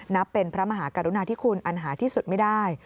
นับเป็นพระมหากรุณาธิคุณอันหาที่สุดไม่ได้